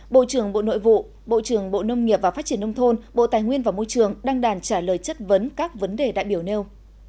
bộ trưởng bộ nội vụ bộ trưởng bộ nông nghiệp và phát triển nông thôn bộ tài nguyên và môi trường đăng đàn trả lời chất vấn các vấn đề đại biểu nêu